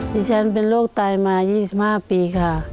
พี่ฉันเป็นโรคตายมา๒๕ปีค่ะ